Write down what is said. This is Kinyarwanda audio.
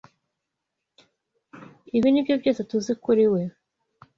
Ibi nibyo byose TUZI kuri we.